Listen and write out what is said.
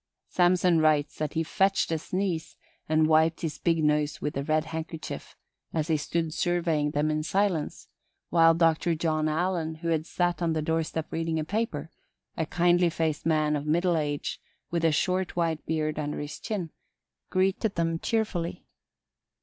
Samson writes that he "fetched a sneeze and wiped his big nose with a red handkerchief" as he stood surveying them in silence, while Dr. John Allen, who had sat on the doorstep reading a paper a kindly faced man of middle age with a short white beard under his chin greeted them cheerfully.